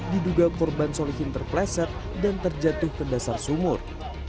diduga korban solihin terpleset dan terjatuh ke dasar sumur